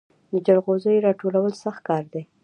د جلغوزیو راټولول سخت کار دی